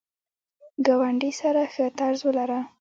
ګاونډي سره ښه طرز ولره